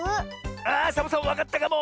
あサボさんわかったかも！